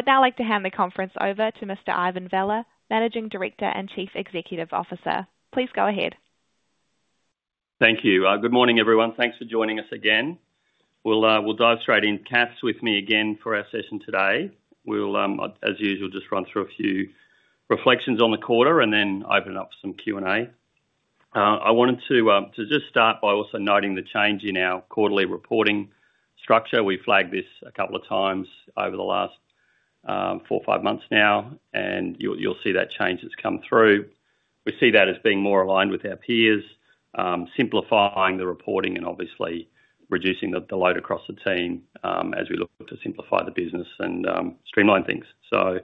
I would now like to hand the conference over to Mr. Ivan Vella, Managing Director and Chief Executive Officer. Please go ahead. Thank you. Good morning, everyone. Thanks for joining us again. We'll dive straight in. Kath's with me again for our session today. We'll, as usual, just run through a few reflections on the quarter and then open up some Q&A. I wanted to just start by also noting the change in our quarterly reporting structure. We flagged this a couple of times over the last four or five months now, and you'll see that change has come through. We see that as being more aligned with our peers, simplifying the reporting and obviously reducing the load across the team, as we look to simplify the business and streamline things. So,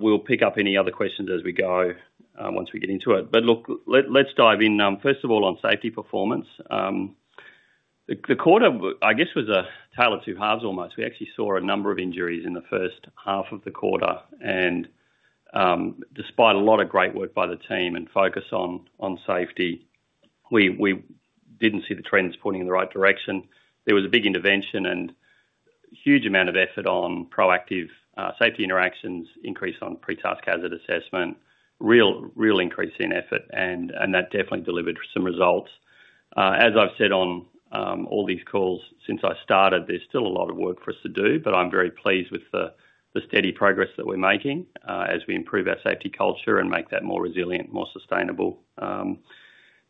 we'll pick up any other questions as we go, once we get into it. But look, let's dive in. First of all, on safety performance. The quarter, I guess, was a tale of two halves almost. We actually saw a number of injuries in the first half of the quarter, and, despite a lot of great work by the team and focus on safety, we didn't see the trends pointing in the right direction. There was a big intervention and huge amount of effort on proactive safety interactions, increase on pre-task hazard assessment, real increase in effort, and that definitely delivered some results. As I've said on all these calls since I started, there's still a lot of work for us to do, but I'm very pleased with the steady progress that we're making, as we improve our safety culture and make that more resilient, more sustainable.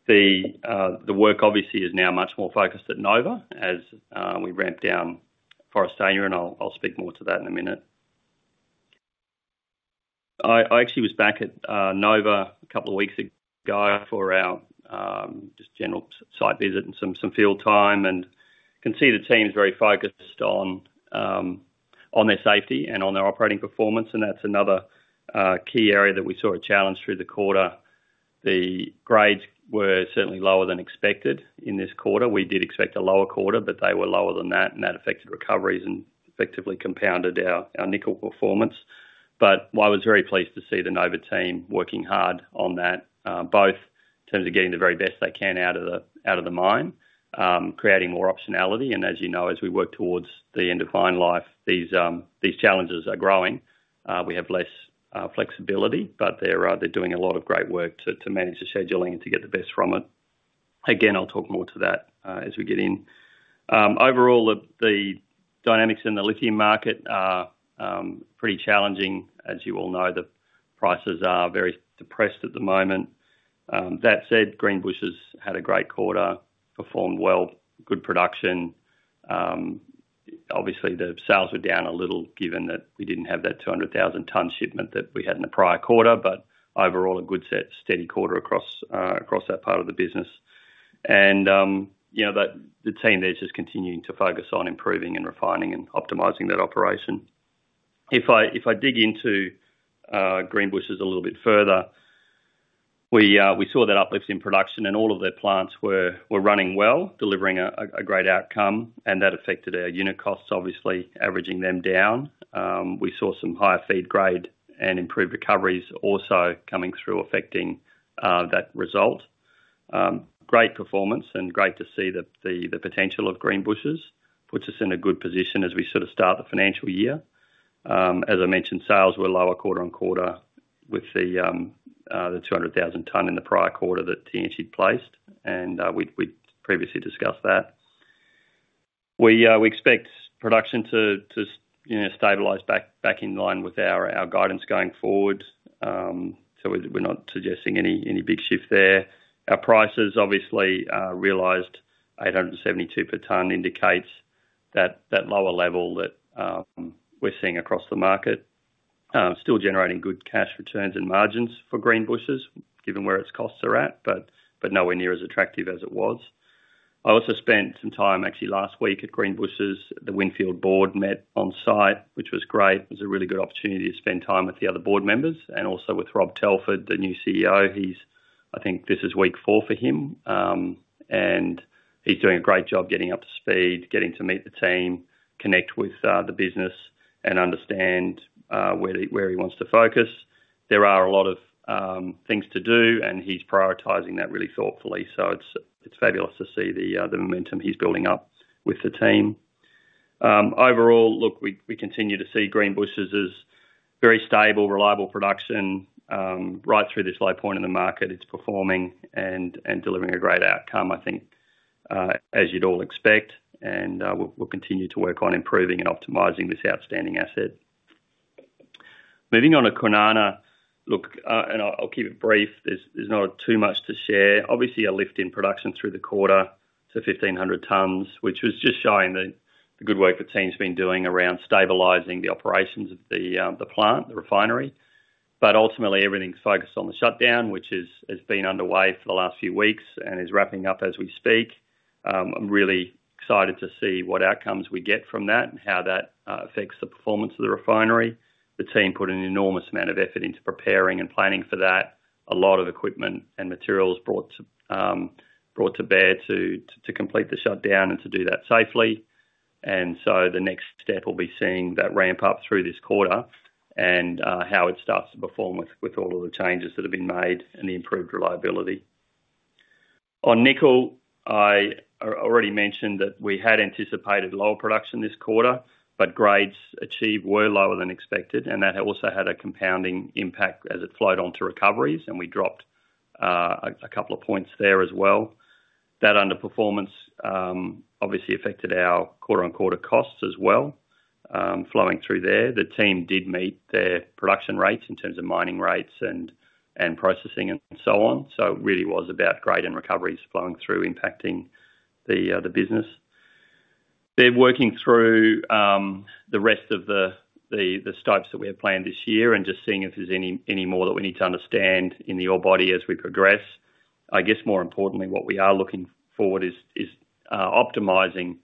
The work obviously is now much more focused at Nova as we ramp down Forrestania, and I'll speak more to that in a minute. I actually was back at Nova a couple of weeks ago for our just general site visit and some field time, and can see the team's very focused on their safety and on their operating performance, and that's another key area that we saw a challenge through the quarter. The grades were certainly lower than expected in this quarter. We did expect a lower quarter, but they were lower than that, and that affected recoveries and effectively compounded our nickel performance. But I was very pleased to see the Nova team working hard on that, both in terms of getting the very best they can out of the mine, creating more optionality. And as you know, as we work towards the end of mine life, these challenges are growing. We have less flexibility, but they're doing a lot of great work to manage the scheduling and to get the best from it. Again, I'll talk more to that as we get in. Overall, the dynamics in the lithium market are pretty challenging. As you all know, the prices are very depressed at the moment. That said, Greenbushes had a great quarter, performed well, good production. Obviously, the sales were down a little given that we didn't have that 200,000-ton shipment that we had in the prior quarter, but overall, a good set, steady quarter across that part of the business. You know, the team there is just continuing to focus on improving and refining and optimizing that operation. If I dig into Greenbushes a little bit further, we saw that uplift in production and all of their plants were running well, delivering a great outcome, and that affected our unit costs, obviously averaging them down. We saw some higher feed grade and improved recoveries also coming through, affecting that result. Great performance and great to see the potential of Greenbushes, puts us in a good position as we sort of start the financial year. As I mentioned, sales were lower quarter-on-quarter with the 200,000 ton in the prior quarter that Talison placed, and we'd previously discussed that. We expect production to, you know, stabilize back in line with our guidance going forward. So, we're not suggesting any big shift there. Our prices, obviously, realized 872 per ton, indicates that lower level that we're seeing across the market. Still generating good cash returns and margins for Greenbushes, given where its costs are at, but nowhere near as attractive as it was. I also spent some time, actually, last week at Greenbushes. The Windfield board met on site, which was great. It was a really good opportunity to spend time with the other Board members and also with Rob Telford, the new CEO. He's I think this is week four for him, and he's doing a great job getting up to speed, getting to meet the team, connect with the business, and understand where he wants to focus. There are a lot of things to do, and he's prioritizing that really thoughtfully, so it's fabulous to see the momentum he's building up with the team. Overall, look, we continue to see Greenbushes as very stable, reliable production right through this low point in the market. It's performing and delivering a great outcome, I think, as you'd all expect, and we'll continue to work on improving and optimizing this outstanding asset. Moving on to Kwinana. Look, and I'll keep it brief, there's not too much to share. Obviously, a lift in production through the quarter to 1,500 tons, which was just showing the good work the team's been doing around stabilizing the operations of the plant, the refinery. But ultimately, everything's focused on the shutdown, which has been underway for the last few weeks and is wrapping up as we speak. I'm really excited to see what outcomes we get from that and how that affects the performance of the refinery. The team put an enormous amount of effort into preparing and planning for that. A lot of equipment and materials brought to bear to complete the shutdown and to do that safely. And so the next step will be seeing that ramp up through this quarter and how it starts to perform with all of the changes that have been made and the improved reliability. On nickel, I already mentioned that we had anticipated lower production this quarter, but grades achieved were lower than expected, and that also had a compounding impact as it flowed on to recoveries, and we dropped a couple of points there as well. That underperformance obviously affected our quarter-on-quarter costs as well, flowing through there. The team did meet their production rates in terms of mining rates and processing and so on, so it really was about grade and recoveries flowing through, impacting the business. They're working through the rest of the stopes that we had planned this year, and just seeing if there's any more that we need to understand in the ore body as we progress. I guess more importantly, what we are looking forward is optimizing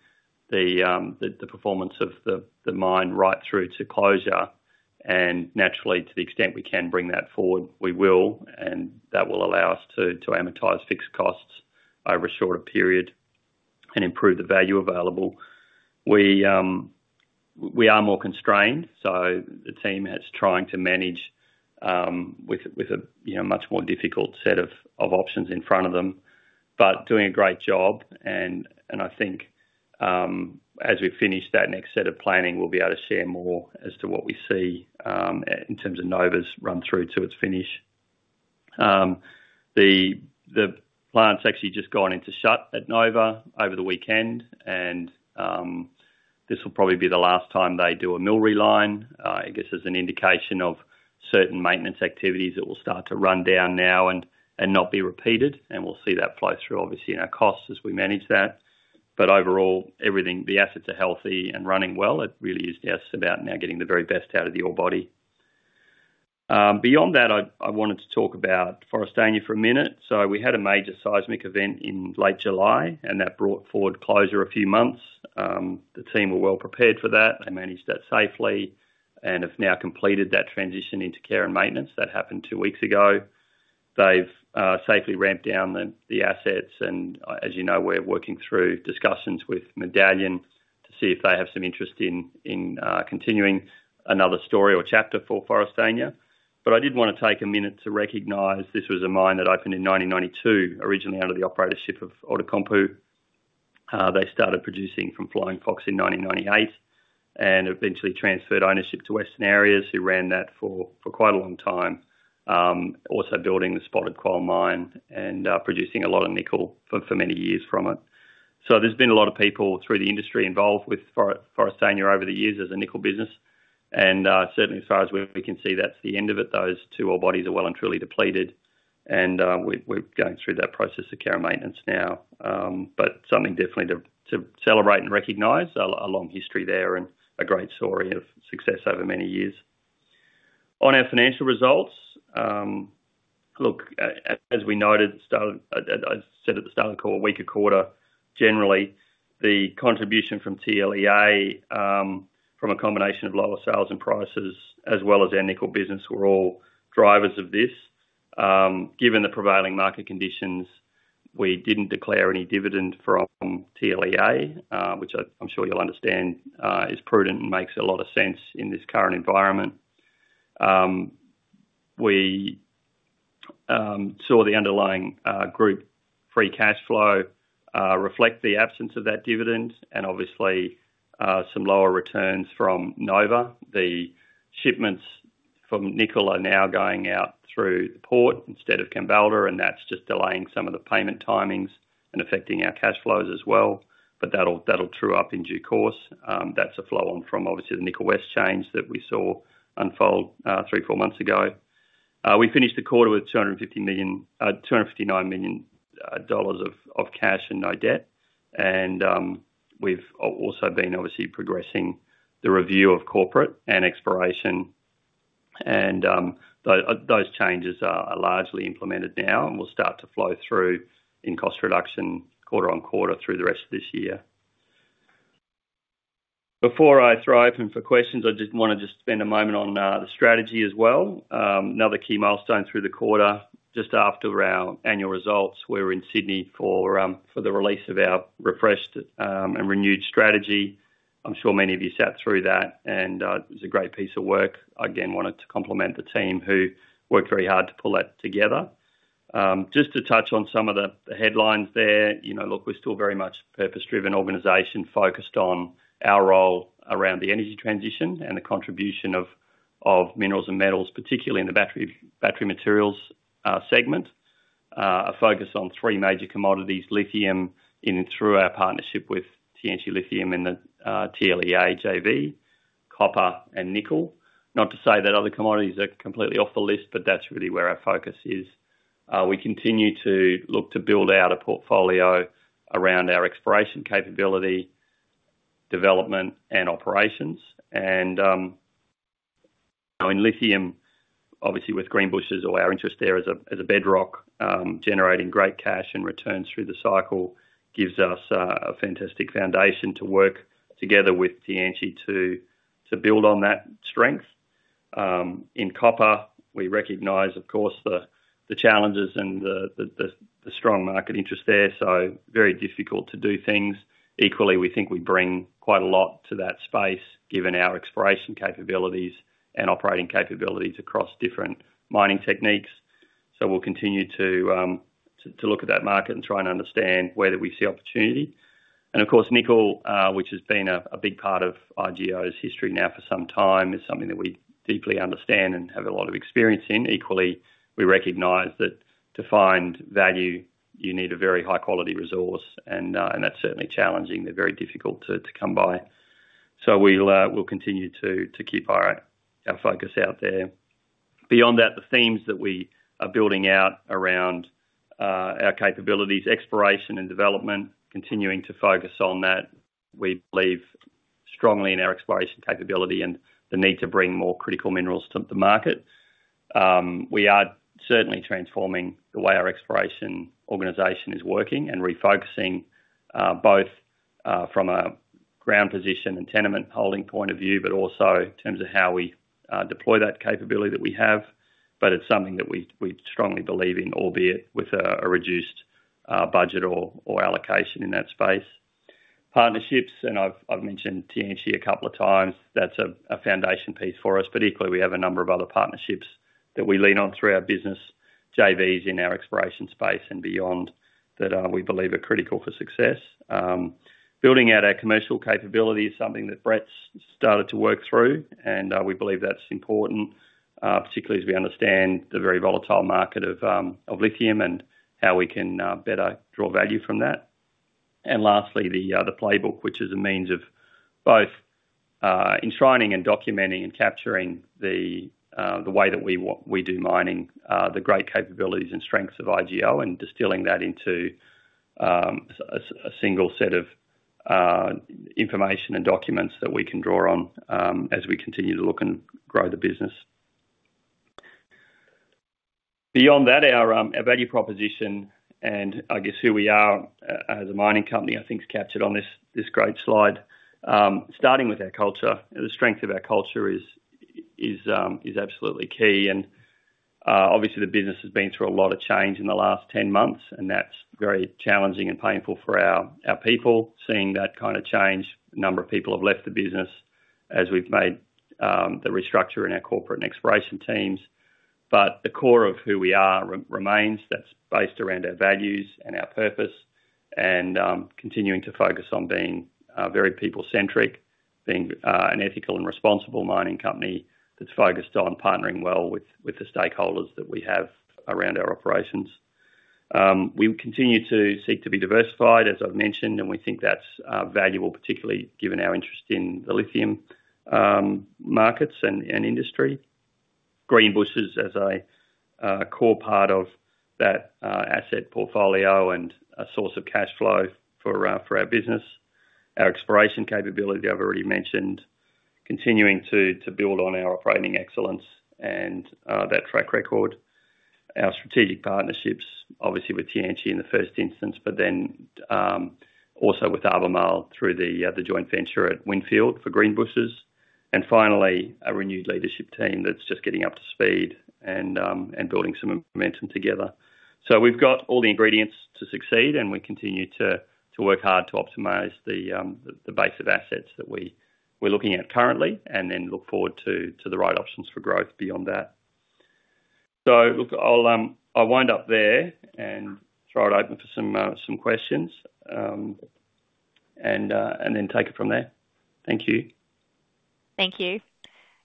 the performance of the mine right through to closure, and naturally, to the extent we can bring that forward, we will, and that will allow us to amortize fixed costs over a shorter period and improve the value available. We are more constrained, so the team is trying to manage with a you know much more difficult set of options in front of them, but doing a great job, and I think as we finish that next set of planning, we'll be able to share more as to what we see in terms of Nova's run through to its finish. The plant's actually just gone into shut at Nova over the weekend, and this will probably be the last time they do a mill reline. I guess as an indication of certain maintenance activities that will start to run down now and not be repeated, and we'll see that flow through, obviously, in our costs as we manage that. But overall, everything, the assets are healthy and running well. It really is just about now getting the very best out of the ore body. Beyond that, I wanted to talk about Forrestania for a minute. So we had a major seismic event in late July, and that brought forward closure a few months. The team were well prepared for that. They managed that safely and have now completed that transition into care and maintenance. That happened two weeks ago. They've safely ramped down the assets, and as you know, we're working through discussions with Medallion to see if they have some interest in continuing another story or chapter for Forrestania. But I did wanna take a minute to recognize this was a mine that opened in 1992, originally under the operatorship of Outokumpu. They started producing from Flying Fox in 1998 and eventually transferred ownership to Western Areas, who ran that for quite a long time, also building the Spotted Quoll mine and producing a lot of nickel for many years from it. So there's been a lot of people through the industry involved with Forrestania over the years as a nickel business, and certainly as far as we can see, that's the end of it. Those two ore bodies are well and truly depleted, and we're going through that process of care and maintenance now, but something definitely to celebrate and recognize, a long history there and a great story of success over many years. On our financial results, look, as we noted at the start of... As I said at the start of the quarter, weaker quarter, generally, the contribution from TLEA, from a combination of lower sales and prices, as well as our nickel business, were all drivers of this. Given the prevailing market conditions, we didn't declare any dividend from TLEA, which I'm sure you'll understand, is prudent and makes a lot of sense in this current environment. We saw the underlying group free cash flow reflect the absence of that dividend and obviously some lower returns from Nova. The shipments from nickel are now going out through the port instead of Kambalda, and that's just delaying some of the payment timings and affecting our cash flows as well, but that'll true up in due course. That's a flow on from obviously the Nickel West change that we saw unfold, three, four months ago. We finished the quarter with 250 million, 259 million dollars of cash and no debt, and we've also been obviously progressing the review of corporate and exploration, and those changes are largely implemented now and will start to flow through in cost reduction quarter-on-quarter through the rest of this year. Before I throw open for questions, I just want to spend a moment on the strategy as well. Another key milestone through the quarter, just after our annual results, we were in Sydney for the release of our refreshed and renewed strategy. I'm sure many of you sat through that, and it was a great piece of work. Again, wanted to compliment the team who worked very hard to pull that together. Just to touch on some of the headlines there, you know, look, we're still very much a purpose-driven organization focused on our role around the energy transition and the contribution of minerals and metals, particularly in the battery materials segment. A focus on three major commodities: lithium, in and through our partnership with Tianqi Lithium and the TLEA JV, copper and nickel. Not to say that other commodities are completely off the list, but that's really where our focus is. We continue to look to build out a portfolio around our exploration capability, development, and operations, and in lithium, obviously with Greenbushes or our interest there as a bedrock, generating great cash and returns through the cycle, gives us a fantastic foundation to work together with Tianqi to build on that strength. In copper, we recognize, of course, the challenges and the strong market interest there, so very difficult to do things. Equally, we think we bring quite a lot to that space, given our exploration capabilities and operating capabilities across different mining techniques. We'll continue to look at that market and try and understand whether we see opportunity. Of course, nickel, which has been a big part of IGO's history now for some time, is something that we deeply understand and have a lot of experience in. Equally, we recognize that to find value, you need a very high-quality resource, and that's certainly challenging. They're very difficult to come by. So we'll continue to keep our focus out there. Beyond that, the themes that we are building out around our capabilities, exploration and development, continuing to focus on that. We believe strongly in our exploration capability and the need to bring more critical minerals to the market. We are certainly transforming the way our exploration organization is working and refocusing both from a ground position and tenement holding point of view, but also in terms of how we deploy that capability that we have. But it's something that we strongly believe in, albeit with a reduced budget or allocation in that space. Partnerships, and I've mentioned Tianqi a couple of times. That's a foundation piece for us, but equally, we have a number of other partnerships that we lean on through our business, JVs in our exploration space and beyond, that we believe are critical for success. Building out our commercial capability is something that Brett's started to work through, and we believe that's important, particularly as we understand the very volatile market of lithium and how we can better draw value from that. And lastly, the playbook, which is a means of both enshrining and documenting and capturing the way that we do mining, the great capabilities and strengths of IGO, and distilling that into a single set of information and documents that we can draw on, as we continue to look and grow the business. Beyond that, our value proposition and I guess who we are as a mining company, I think is captured on this great slide. Starting with our culture. The strength of our culture is absolutely key and obviously the business has been through a lot of change in the last ten months, and that's very challenging and painful for our people, seeing that kind of change. A number of people have left the business as we've made the restructure in our corporate and exploration teams. But the core of who we are remains, that's based around our values and our purpose, and continuing to focus on being very people-centric. Being an ethical and responsible mining company that's focused on partnering well with the stakeholders that we have around our operations. We continue to seek to be diversified, as I've mentioned, and we think that's valuable, particularly given our interest in the lithium markets and industry. Greenbushes as a core part of that asset portfolio and a source of cash flow for our business. Our exploration capability, I've already mentioned, continuing to build on our operating excellence and that track record. Our strategic partnerships, obviously with Tianqi in the first instance, but then also with Albemarle through the joint venture at Windfield for Greenbushes. Finally, a renewed leadership team that's just getting up to speed and building some momentum together. We've got all the ingredients to succeed, and we continue to work hard to optimize the base of assets that we're looking at currently, and then look forward to the right options for growth beyond that. So, look, I'll wind up there and throw it open for some questions, and then take it from there. Thank you. Thank you.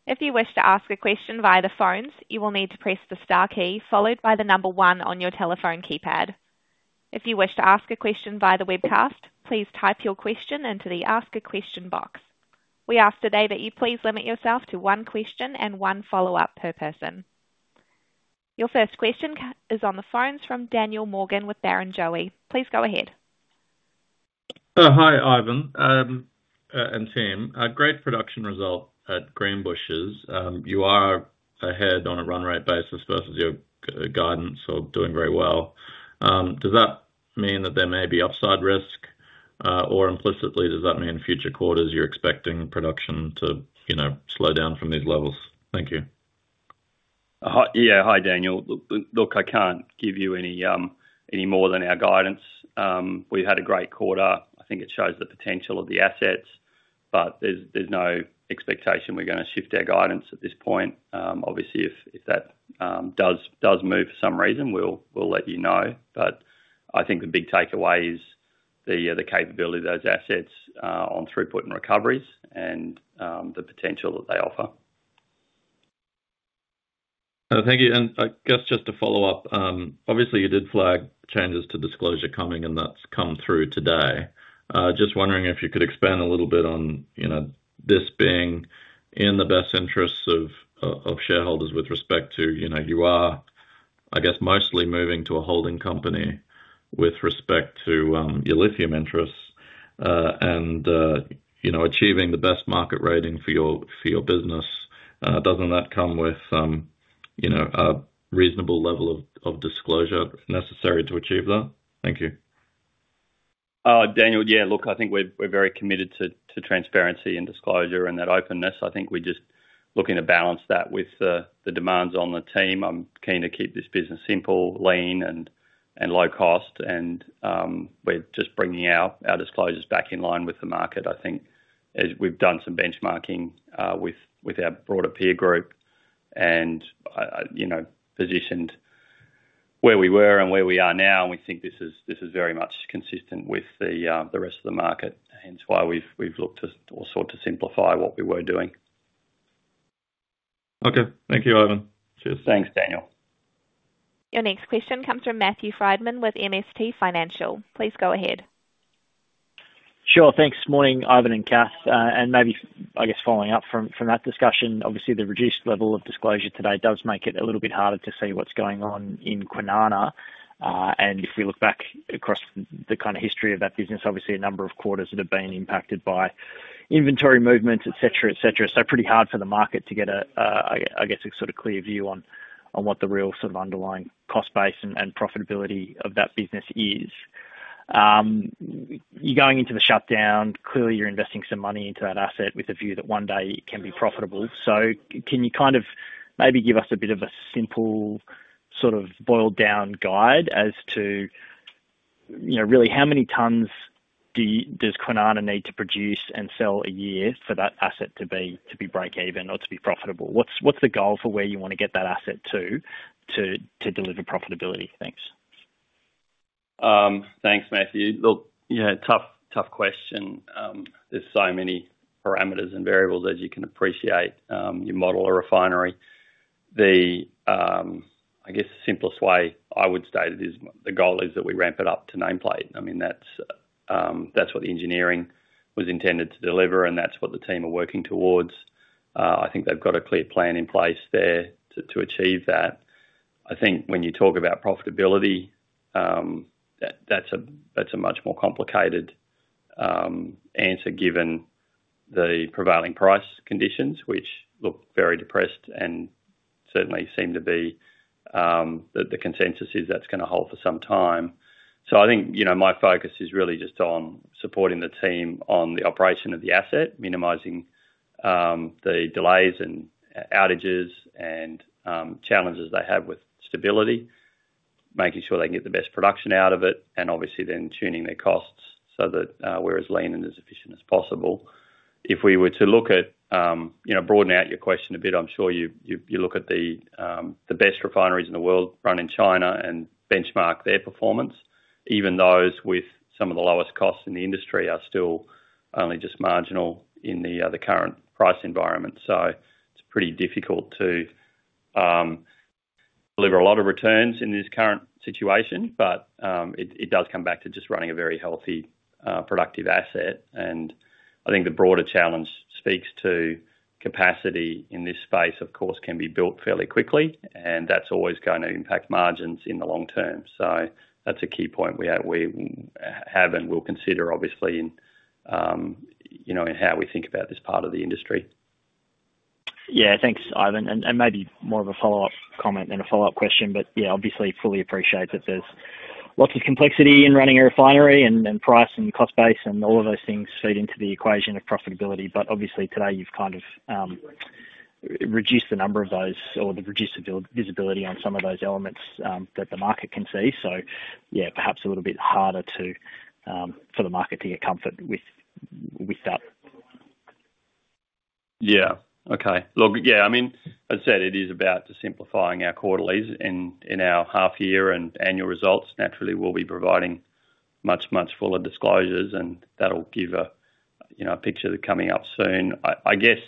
If you wish to ask a question via the phones, you will need to press the star key followed by the number one on your telephone keypad. If you wish to ask a question via the webcast, please type your question into the Ask a Question box. We ask today that you please limit yourself to one question and one follow-up per person. Your first question is on the phones from Daniel Morgan with Barrenjoey. Please go ahead. Hi, Ivan, and team. A great production result at Greenbushes. You are ahead on a run rate basis versus your guidance, so doing very well. Does that mean that there may be upside risk, or implicitly, does that mean future quarters, you're expecting production to, you know, slow down from these levels? Thank you. Yeah, hi, Daniel. Look, I can't give you any more than our guidance. We've had a great quarter. I think it shows the potential of the assets, but there's no expectation we're gonna shift our guidance at this point. Obviously, if that does move for some reason, we'll let you know. But I think the big takeaway is the capability of those assets on throughput and recoveries and the potential that they offer. Thank you. And I guess just to follow-up, obviously, you did flag changes to disclosure coming, and that's come through today. Just wondering if you could expand a little bit on, you know, this being in the best interests of shareholders with respect to, you know, you are, I guess, mostly moving to a holding company with respect to your lithium interests, and you know, achieving the best market rating for your business. Doesn't that come with you know, a reasonable level of disclosure necessary to achieve that? Thank you. Daniel. Yeah, look, I think we're very committed to transparency and disclosure and that openness. I think we're just looking to balance that with the demands on the team. I'm keen to keep this business simple, lean, and low cost, and we're just bringing our disclosures back in line with the market. I think as we've done some benchmarking with our broader peer group, and I, you know, positioned where we were and where we are now, and we think this is very much consistent with the rest of the market, hence why we've looked to also to simplify what we were doing. Okay. Thank you, Ivan. Cheers. Thanks, Daniel. Your next question comes from Matthew Frydman with MST Financial. Please go ahead. Sure. Thanks. Morning, Ivan and Kath. And maybe, I guess, following up from that discussion, obviously the reduced level of disclosure today does make it a little bit harder to see what's going on in Kwinana, and if we look back across the kind of history of that business, obviously a number of quarters that have been impacted by inventory movements, et cetera, et cetera, so pretty hard for the market to get a, I guess, a sort of clear view on what the real sort of underlying cost base and profitability of that business is. You're going into the shutdown. Clearly, you're investing some money into that asset with a view that one day it can be profitable. So, can you kind of maybe give us a bit of a simple, sort of boiled down guide as to, you know, really, how many tons does Kwinana need to produce and sell a year for that asset to be, to be break even or to be profitable? What's, what's the goal for where you wanna get that asset to, to, to deliver profitability? Thanks. Thanks, Matthew. Look, yeah, tough question. There's so many parameters and variables, as you can appreciate, you model a refinery. The, I guess, the simplest way I would state it is the goal is that we ramp it up to nameplate. I mean, that's what the engineering was intended to deliver, and that's what the team are working towards. I think they've got a clear plan in place there to achieve that. I think when you talk about profitability, that's a much more complicated answer, given the prevailing price conditions, which look very depressed and certainly seem to be the consensus is that's gonna hold for some time. So I think, you know, my focus is really just on supporting the team on the operation of the asset, minimizing the delays and outages and challenges they have with stability, making sure they can get the best production out of it, and obviously then tuning their costs so that we're as lean and as efficient as possible. If we were to look at, you know, broaden out your question a bit, I'm sure you look at the best refineries in the world run in China and benchmark their performance. Even those with some of the lowest costs in the industry are still only just marginal in the current price environment. So, it's pretty difficult to deliver a lot of returns in this current situation, but it does come back to just running a very healthy productive asset. And I think the broader challenge speaks to capacity in this space, of course, can be built fairly quickly, and that's always gonna impact margins in the long term. So that's a key point we have and will consider, obviously, in you know, in how we think about this part of the industry. Yeah. Thanks, Ivan. And maybe more of a follow-up comment than a follow-up question, but yeah, obviously fully appreciate that there's lots of complexity in running a refinery and price and cost base, and all of those things feed into the equation of profitability. But obviously today, you've kind of reduced the number of those or the reduced availability on some of those elements that the market can see. So yeah, perhaps a little bit harder to for the market to get comfort with that. Yeah. Okay. Look, yeah, I mean, as I said, it is about simplifying our quarterlies, and in our half year and annual results, naturally, we'll be providing much, much fuller disclosures, and that'll give a, you know, a picture coming up soon. I guess,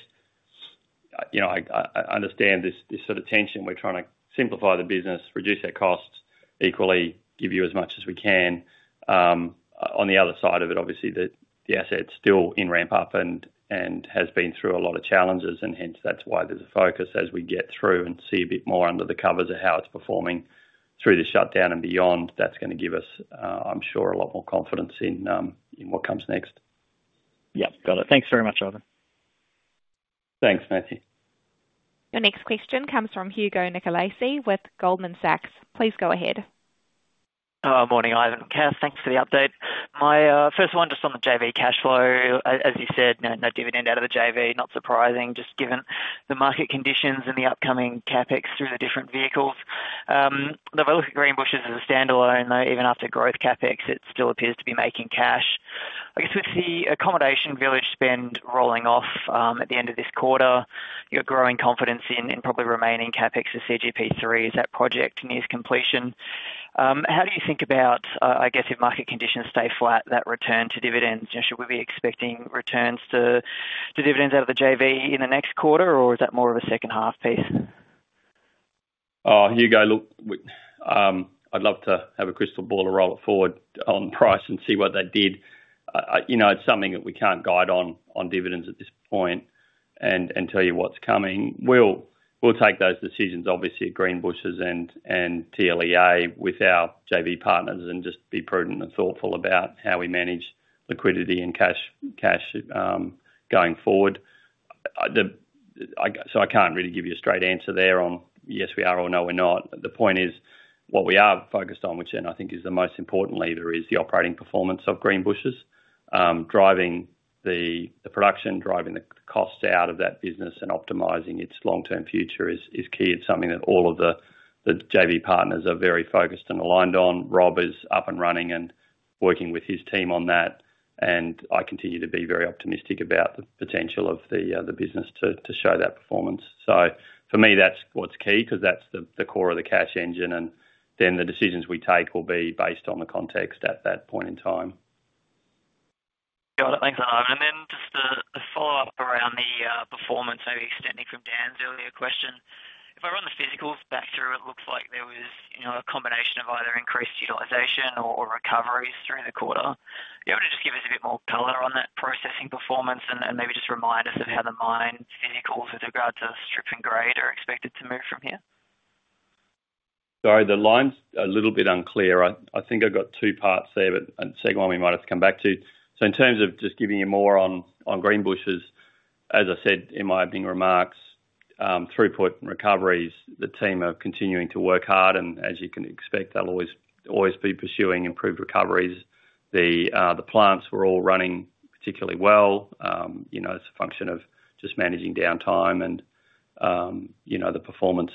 you know, I understand this, this sort of tension. We're trying to simplify the business, reduce our costs, equally, give you as much as we can. On the other side of it, obviously, the asset's still in ramp up and has been through a lot of challenges, and hence that's why there's a focus as we get through and see a bit more under the covers of how it's performing through the shutdown and beyond. That's gonna give us, I'm sure, a lot more confidence in what comes next. Yep. Got it. Thanks very much, Ivan. Thanks, Matthew. Your next question comes from Hugo Nicolaci with Goldman Sachs. Please go ahead. Morning, Ivan and Kath. Thanks for the update. My first one, just on the JV cash flow. As you said, no dividend out of the JV, not surprising, just given the market conditions and the upcoming CapEx through the different vehicles. The Greenbushes as a standalone, though, even after growth CapEx, it still appears to be making cash. I guess with the accommodation village spend rolling off at the end of this quarter, you're growing confidence in probably remaining CapEx to CGP3 as that project nears completion. How do you think about, I guess if market conditions stay flat, that return to dividends? You know, should we be expecting returns to dividends out of the JV in the next quarter, or is that more of a second half piece? Oh, Hugo, look, I'd love to have a crystal ball to roll it forward on price and see what that did. You know, it's something that we can't guide on, on dividends at this point and tell you what's coming. We'll take those decisions obviously at Greenbushes and TLEA with our JV partners and just be prudent and thoughtful about how we manage liquidity and cash going forward. I can't really give you a straight answer there on, "Yes, we are," or, "No, we're not." The point is, what we are focused on, which then I think is the most important lever, is the operating performance of Greenbushes, driving the production, driving the costs out of that business and optimizing its long-term future is key. It's something that all of the JV partners are very focused and aligned on. Rob is up and running and working with his team on that, and I continue to be very optimistic about the potential of the business to show that performance. So, for me, that's what's key, 'cause that's the core of the cash engine, and then the decisions we take will be based on the context at that point in time. Got it. Thanks, Ivan. And then just a follow-up around the performance, maybe extending from Dan's earlier question. If I run the physicals back through, it looks like there was, you know, a combination of either increased utilization or recoveries during the quarter. Are you able to just give us a bit more color on that processing performance, and maybe just remind us of how the mine physicals with regards to strip and grade are expected to move from here? Sorry, the line's a little bit unclear. I think I've got two parts there, but the second one we might have to come back to, so in terms of just giving you more on Greenbushes, as I said in my opening remarks, throughput and recoveries, the team are continuing to work hard, and as you can expect, they'll always be pursuing improved recoveries. The plants were all running particularly well. You know, it's a function of just managing downtime and, you know, the performance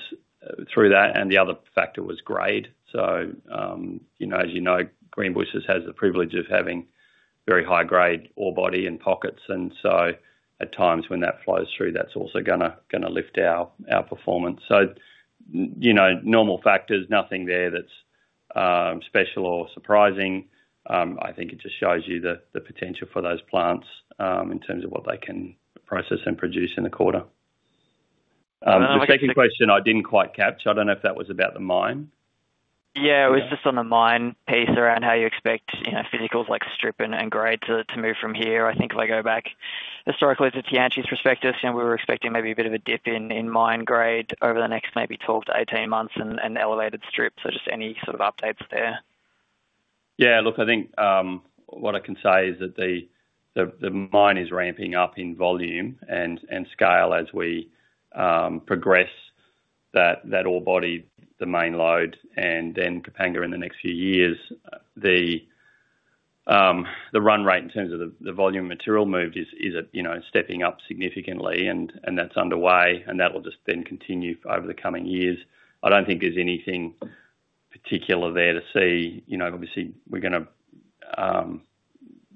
through that, and the other factor was grade, so you know, as you know, Greenbushes has the privilege of having very high-grade ore body and pockets, and so at times when that flows through, that's also gonna lift our performance. You know, normal factors, nothing there that's special or surprising. I think it just shows you the potential for those plants, in terms of what they can process and produce in the quarter. The second question I didn't quite catch. I don't know if that was about the mine? Yeah, it was just on the mine piece, around how you expect, you know, physicals like strip and grade to move from here. I think if I go back historically to the Tianqi's prospectus, you know, we were expecting maybe a bit of a dip in mine grade over the next maybe 12-18 months and elevated strip. So just any sort of updates there? Yeah, look, I think what I can say is that the mine is ramping up in volume and scale as we progress that ore body, the main lode, and then Kapanga in the next few years. The run rate in terms of the volume of material moved is, you know, stepping up significantly and that's underway, and that will just then continue over the coming years. I don't think there's anything particular there to see. You know, obviously, we're gonna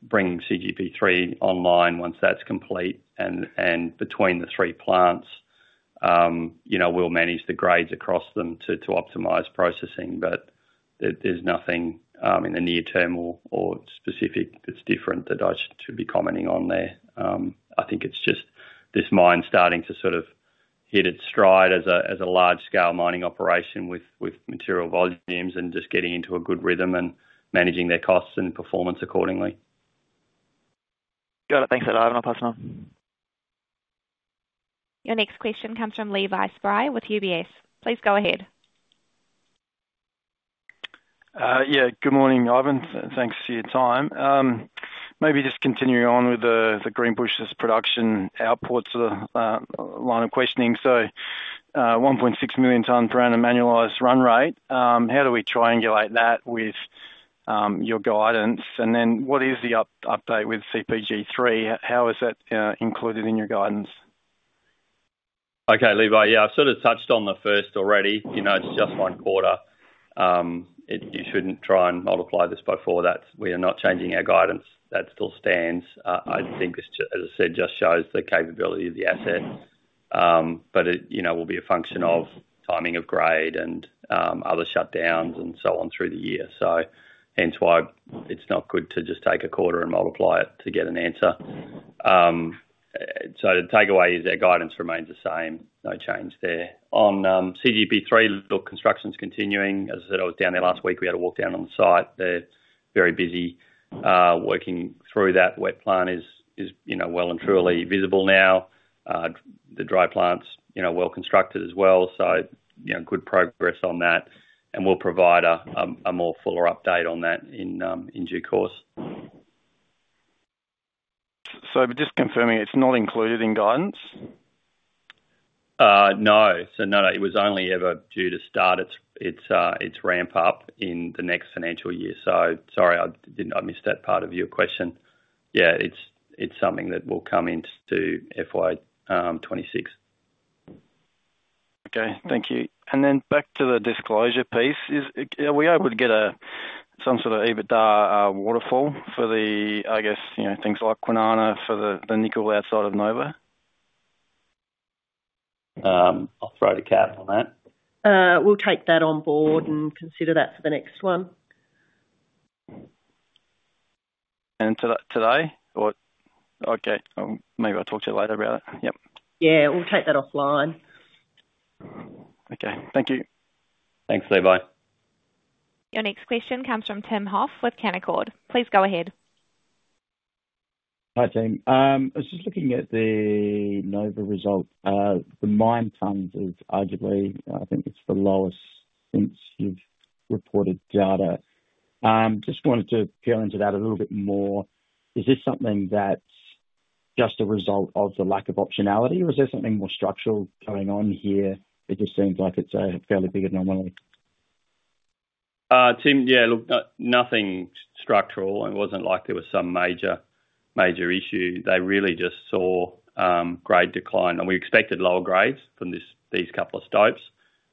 bring CGP3 online once that's complete, and between the three plants, you know, we'll manage the grades across them to optimize processing. But there's nothing in the near term or specific that's different that I should be commenting on there. I think it's just this mine starting to sort of hit its stride as a large-scale mining operation with material volumes and just getting into a good rhythm and managing their costs and performance accordingly. Got it. Thanks for that, Ivan. I'll pass now. Your next question comes from Levi Spry with UBS. Please go ahead. Yeah, good morning, Ivan. Thanks for your time. Maybe just continuing on with the Greenbushes production outputs line of questioning. So, 1.6 million tons per annum annualized run rate, how do we triangulate that with your guidance? And then what is the update with CGP3? How is that included in your guidance? Okay, Levi. Yeah, I've sort of touched on the first already. You know, it's just one quarter. It. You shouldn't try and multiply this by four. That's. We are not changing our guidance. That still stands. I think as I said, just shows the capability of the asset. But it, you know, will be a function of timing of grade and other shutdowns and so on through the year. So hence why it's not good to just take a quarter and multiply it to get an answer. So, the takeaway is our guidance remains the same. No change there. On CGP3, look, construction's continuing. As I said, I was down there last week. We had a walk down on the site. They're very busy working through that. Wet plant is, you know, well and truly visible now. The dry plant's, you know, well constructed as well. So, you know, good progress on that, and we'll provide a more fuller update on that in due course. So just confirming, it's not included in guidance? No. So no, it was only ever due to start its ramp up in the next financial year. So sorry, I did not miss that part of your question. Yeah, it's something that will come into FY 2026. Okay, thank you. And then back to the disclosure piece, are we able to get some sort of EBITDA waterfall for the, I guess, you know, things like Kwinana, for the nickel outside of Nova? I'll throw to Kath on that. We'll take that on board and consider that for the next one. Okay, maybe I'll talk to you later about it. Yep. Yeah, we'll take that offline. Okay. Thank you. Thanks, Levi. Your next question comes from Tim Hoff with Canaccord. Please go ahead. Hi, team. I was just looking at the Nova result. The mined tons is arguably, I think it's the lowest since you've reported data. Just wanted to delve into that a little bit more. Is this something that's just a result of the lack of optionality, or is there something more structural going on here? It just seems like it's a fairly big anomaly. Tim, yeah, look, nothing structural. It wasn't like there was some major, major issue. They really just saw grade decline, and we expected lower grades from this, these couple of stopes,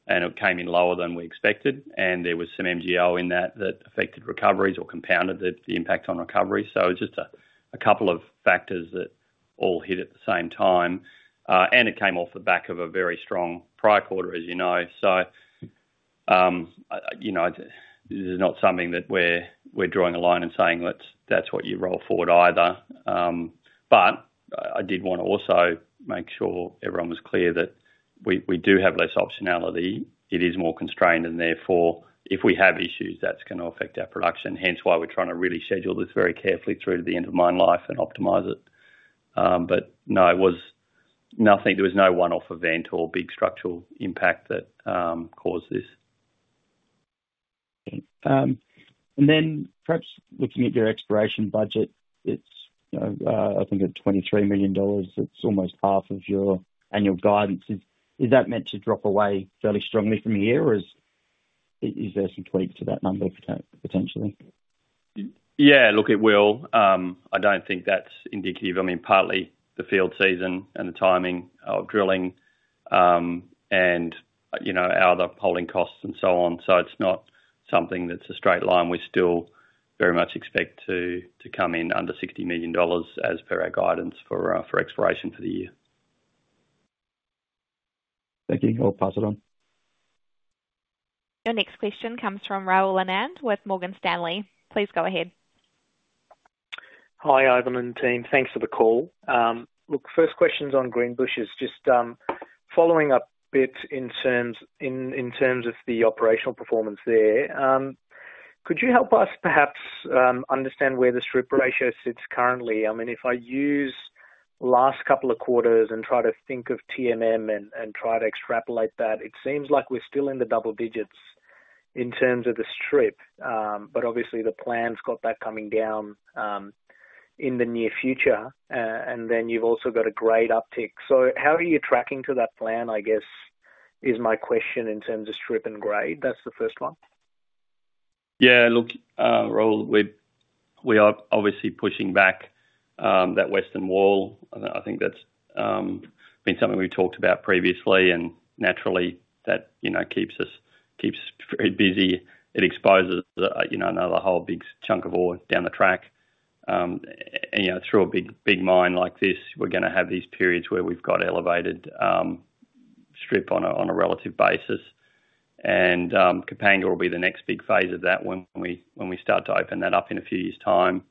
and it came in lower than we expected, and there was some MgO in that that affected recoveries or compounded the impact on recovery. So it's just a couple of factors that all hit at the same time. And it came off the back of a very strong prior quarter, as you know. So, you know, this is not something that we're drawing a line and saying, "that's what you roll forward either." But I did want to also make sure everyone was clear that we do have less optionality. It is more constrained, and therefore, if we have issues, that's gonna affect our production. Hence, why we're trying to really schedule this very carefully through to the end of mine life and optimize it. But no, it was nothing. There was no one-off event or big structural impact that caused this. And then perhaps looking at your exploration budget, it's, I think at 23 million dollars, it's almost half of your annual guidance. Is that meant to drop away fairly strongly from here, or is there some tweak to that number potentially? Yeah, look, it will. I don't think that's indicative. I mean, partly the field season and the timing of drilling, and, you know, our other polling costs and so on. So it's not something that's a straight line. We still very much expect to come in under 60 million dollars, as per our guidance for exploration for the year. Thank you. I'll pass it on. Your next question comes from Rahul Anand with Morgan Stanley. Please go ahead. Hi, Ivan and team. Thanks for the call. Look, first question's on Greenbushes. Just, following up a bit in terms of the operational performance there, could you help us perhaps understand where the strip ratio sits currently? I mean, if I use the last couple of quarters and try to think of TMM and try to extrapolate that, it seems like we're still in the double digits in terms of the strip. But obviously, the plan's got that coming down in the near future. And then you've also got a grade uptick. So how are you tracking to that plan, I guess, is my question in terms of strip and grade? That's the first one. Yeah, look, Rahul, we are obviously pushing back that western wall. I think that's been something we talked about previously, and naturally, that you know keeps us very busy. It exposes you know another whole big chunk of ore down the track. And you know through a big big mine like this, we're gonna have these periods where we've got elevated strip on a relative basis. And Kapanga will be the next big phase of that when we start to open that up in a few years' time.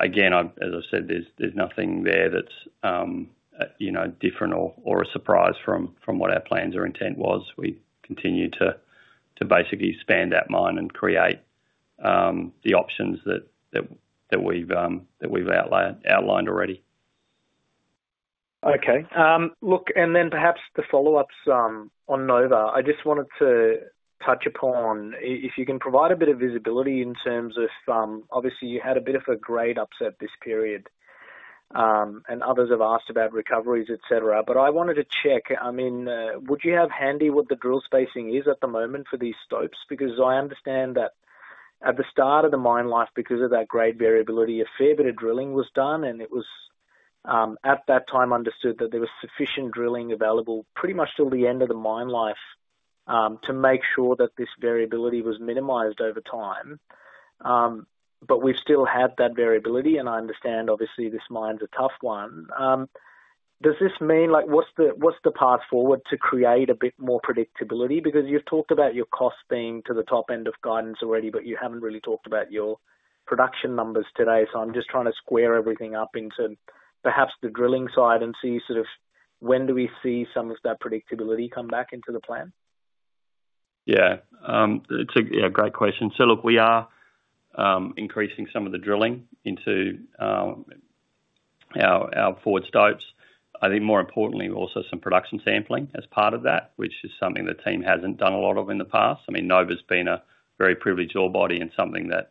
Again, as I've said, there's nothing there that's you know different or a surprise from what our plans or intent was. We continue to basically expand that mine and create the options that we've outlined already. Okay. Look, and then perhaps the follow-ups on Nova. I just wanted to touch upon if you can provide a bit of visibility in terms of, obviously you had a bit of a grade upset this period, and others have asked about recoveries, et cetera. But I wanted to check, I mean, would you have handy what the drill spacing is at the moment for these stopes? Because I understand that at the start of the mine life, because of that grade variability, a fair bit of drilling was done, and it was, at that time, understood that there was sufficient drilling available pretty much till the end of the mine life, to make sure that this variability was minimized over time. But we've still had that variability, and I understand, obviously, this mine's a tough one. Does this mean, like, what's the path forward to create a bit more predictability? Because you've talked about your costs being to the top end of guidance already, but you haven't really talked about your production numbers today. So I'm just trying to square everything up into perhaps the drilling side and see sort of when do we see some of that predictability come back into the plan? Yeah, it's a great question. So look, we are increasing some of the drilling into our forward stopes. I think more importantly, also some production sampling as part of that, which is something the team hasn't done a lot of in the past. I mean, Nova's been a very privileged ore body and something that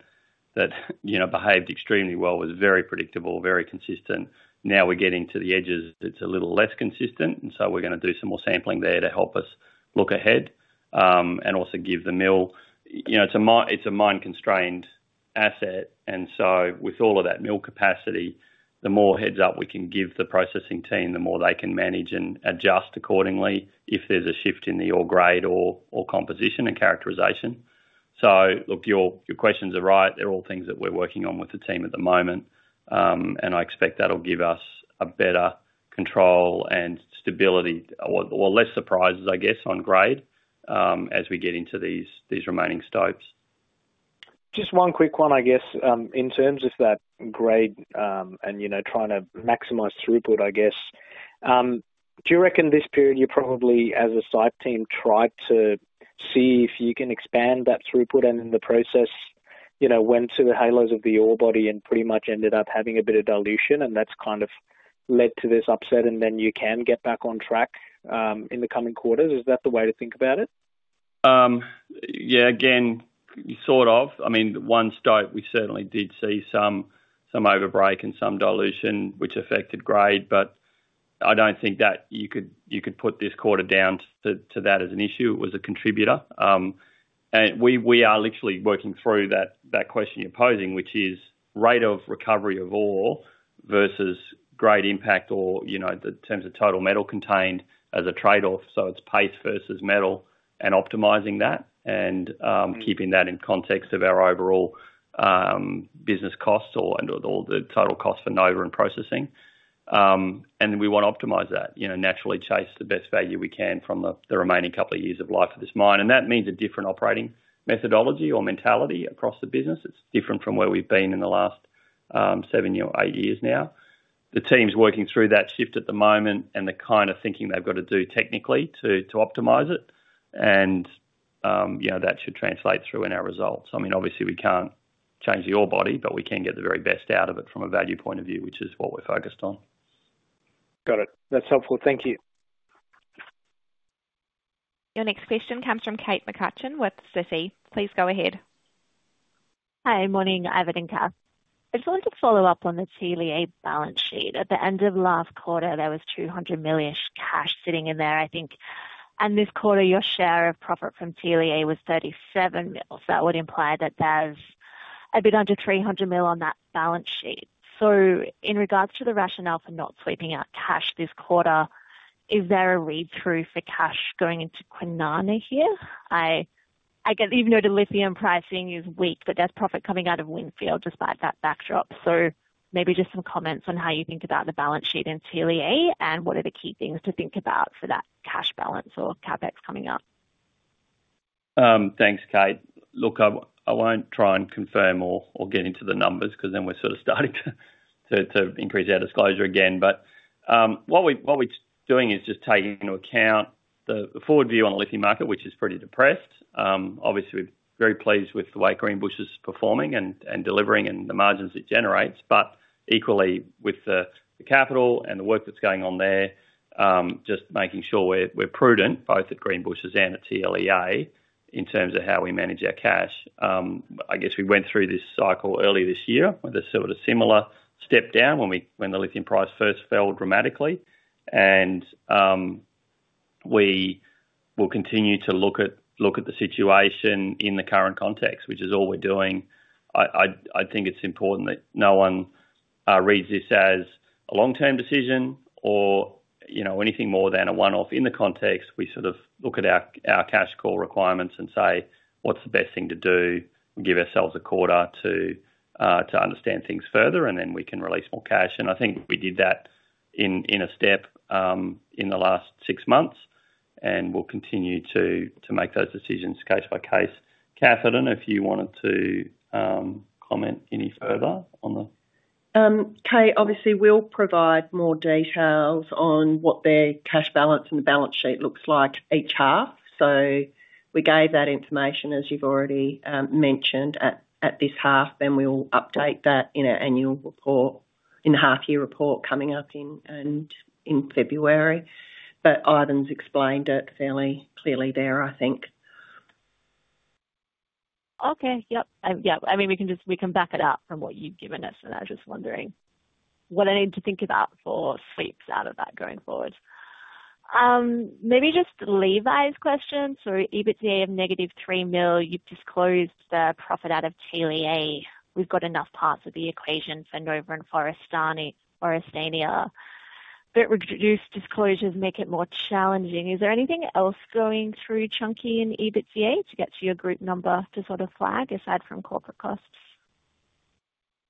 you know, behaved extremely well, was very predictable, very consistent. Now we're getting to the edges, it's a little less consistent, and so we're gonna do some more sampling there to help us look ahead and also give the mill... You know, it's a mine-constrained asset, and so with all of that mill capacity, the more heads up we can give the processing team, the more they can manage and adjust accordingly if there's a shift in the ore grade or composition and characterization. So, look, your questions are right. They're all things that we're working on with the team at the moment, and I expect that'll give us a better control and stability or less surprises, I guess, on grade, as we get into these remaining stopes. Just one quick one, I guess. In terms of that grade, and, you know, trying to maximize throughput, I guess. Do you reckon this period, you probably, as a site team, tried to see if you can expand that throughput and in the process, you know, went to the halos of the ore body and pretty much ended up having a bit of dilution, and that's kind of led to this upset, and then you can get back on track, in the coming quarters? Is that the way to think about it? Yeah, again, sort of. I mean, one stope, we certainly did see some overbreak and some dilution, which affected grade, but I don't think that you could put this quarter down to that as an issue. It was a contributor. And we are literally working through that question you're posing, which is rate of recovery of ore versus grade impact or, you know, the terms of total metal contained as a trade-off. So it's pace versus metal and optimizing that and keeping that in context of our overall business costs or and all the total cost for Nova and processing. And we want to optimize that, you know, naturally chase the best value we can from the remaining couple of years of life of this mine. And that means a different operating methodology or mentality across the business. It's different from where we've been in the last seven or eight years now. The team's working through that shift at the moment and the kind of thinking they've got to do technically to optimize it. You know, that should translate through in our results. I mean, obviously we can't change the ore body, but we can get the very best out of it from a value point of view, which is what we're focused on. Got it. That's helpful. Thank you. Your next question comes from Kate McCutcheon with Citi. Please go ahead. Hi. Morning, Ivan and Kath. I just wanted to follow-up on the TLEA balance sheet. At the end of last quarter, there was 200 million-ish cash sitting in there, I think. And this quarter, your share of profit from TLEA was 37 million. So that would imply that there's a bit under 300 million on that balance sheet. So, in regards to the rationale for not sweeping out cash this quarter, is there a read-through for cash going into Kwinana here? I get even though the lithium pricing is weak, but there's profit coming out of Windfield despite that backdrop. So maybe just some comments on how you think about the balance sheet in TLEA, and what are the key things to think about for that cash balance or CapEx coming up? Thanks, Kate. Look, I won't try and confirm or get into the numbers because then we're sort of starting to increase our disclosure again. But what we're doing is just taking into account the forward view on the lithium market, which is pretty depressed. Obviously, we're very pleased with the way Greenbushes is performing and delivering and the margins it generates. But equally with the capital and the work that's going on there, just making sure we're prudent, both at Greenbushes and at TLEA, in terms of how we manage our cash. I guess we went through this cycle early this year with a sort of similar step down when the lithium price first fell dramatically. We will continue to look at the situation in the current context, which is all we're doing. I think it's important that no one reads this as a long-term decision or, you know, anything more than a one-off. In the context, we sort of look at our cash call requirements and say, "What's the best thing to do?" We give ourselves a quarter to understand things further, and then we can release more cash. I think we did that in a step in the last six months, and we'll continue to make those decisions case by case. Kath, I don't know if you wanted to comment any further on the- Kate, obviously, we'll provide more details on what their cash balance and the balance sheet looks like each half. So we gave that information, as you've already mentioned at this half, then we will update that in our annual report, in the half year report coming up in February. But Ivan's explained it fairly clearly there, I think. Okay. Yep. Yeah, I mean, we can just- we can back it up from what you've given us, and I was just wondering what I need to think about for sweeps out of that going forward. Maybe just Levi's question. So, EBITDA of negative 3 million, you've disclosed the profit out of TLEA. We've got enough parts of the equation for Nova and Forrestania, but reduced disclosures make it more challenging. Is there anything else going through chunky in EBITDA to get to your group number to sort of flag aside from corporate costs?